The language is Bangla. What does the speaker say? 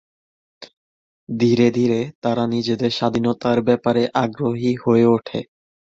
ধীরে ধীরে তারা নিজেদের স্বাধীনতার ব্যাপারে আগ্রহী হয়ে ওঠে।